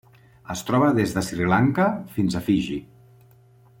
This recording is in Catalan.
Es troba des de Sri Lanka fins a Fiji.